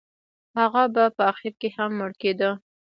هغه به په اخر کې مړ کېده.